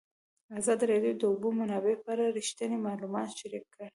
ازادي راډیو د د اوبو منابع په اړه رښتیني معلومات شریک کړي.